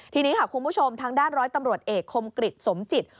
ทีนี้ค่ะคุณผู้ชมทางด้านร้อยตำรวจเอกคมกริจสมจิต